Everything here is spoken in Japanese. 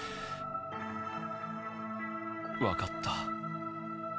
わかった。